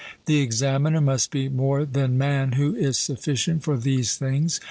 The examiner must be more than man who is sufficient for these things.